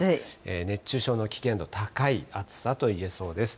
熱中症の危険度高い暑さといえそうです。